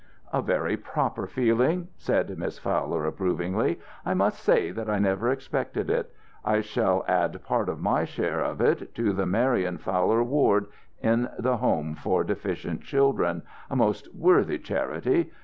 "A very proper feeling," said Miss Fowler, approvingly. "I must say that I never expected it. I shall add part of my share of it to the Marian Fowler Ward in the Home for Deficient Children. A most worthy charity.